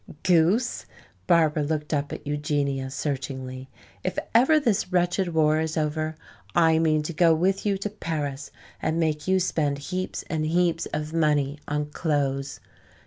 "Goose!" Barbara looked up at Eugenia searchingly. "If ever this wretched war is over, I mean to go with you to Paris and make you spend heaps and heaps of money on clothes.